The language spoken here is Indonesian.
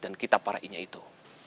dan kitab para inya itu